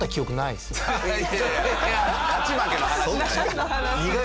いやいや勝ち負けの話じゃない。